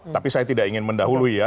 tapi saya tidak ingin mendahului ya